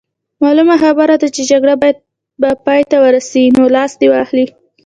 معلومه خبره ده چې جګړه به پای ته ورسي، نو لاس دې واخلي.